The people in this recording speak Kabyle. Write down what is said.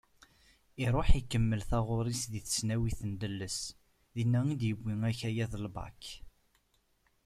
Iruḥ ikemmel taɣuri-s di tesnawit n Delles, din i d-yewwi akayad n lbak.